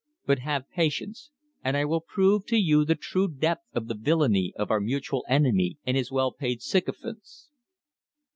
"But have patience, and I will prove to you the true depth of the villainy of our mutual enemy and his well paid sycophants."